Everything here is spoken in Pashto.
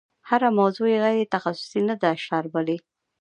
هره موضوع یې غیر تخصصي نه ده شاربلې.